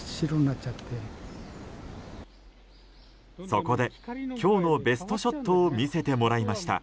そこで今日のベストショットを見せてもらいました。